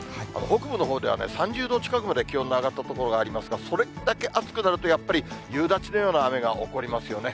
北部のほうでは３０度近くまで気温の上がった所がありますが、それだけ暑くなると、やっぱり、夕立のような雨が起こりますよね。